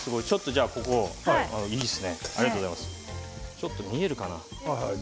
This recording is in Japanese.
ちょっと見えるかな。